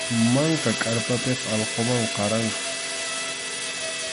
Manka kʼarpapiqa allqumanmi qaranku.